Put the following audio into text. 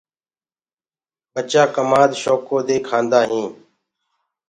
ٻچآ ڪمآد شوڪو دي کآندآ هين۔